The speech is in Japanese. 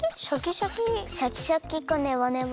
シャキシャキかネバネバ？